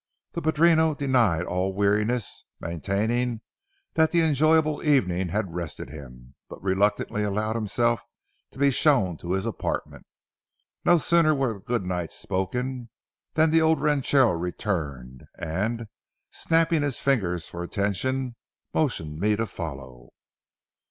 The padrino denied all weariness, maintaining that the enjoyable evening had rested him, but reluctantly allowed himself to be shown to his apartment. No sooner were the good nights spoken, than the old ranchero returned, and, snapping his fingers for attention, motioned me to follow.